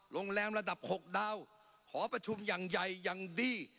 โรงแรมระดับ๖ดาวหอประชุมอย่างใหญ่อย่างดี